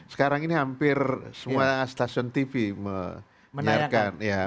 sekarang ini hampir semua stasiun tv menyiarkan